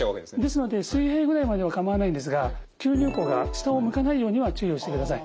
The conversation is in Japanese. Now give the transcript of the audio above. ですので水平ぐらいまでは構わないんですが吸入口が下を向かないようには注意をしてください。